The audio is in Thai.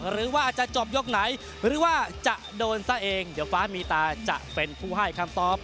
หรือว่าจะจบยกไหนหรือว่าจะโดนซะเองเดี๋ยวฟ้ามีตาจะเป็นผู้ให้คำตอบ